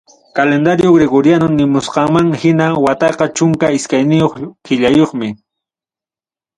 Calendario Gregoriano nimusqanmam hina, wataqa chunka iskayniyuq killayuqmi.